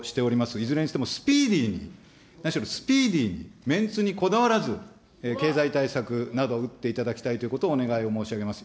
いずれにしても、スピーディーに、何しろスピーディーに、メンツにこだわらず、経済対策など、打っていただきたいということをお願い申し上げます。